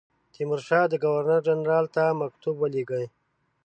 تیمورشاه ګورنر جنرال ته مکتوب ولېږی.